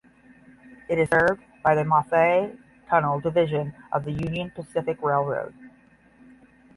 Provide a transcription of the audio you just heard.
It is served by the Moffat Tunnel Division of the Union Pacific Railroad.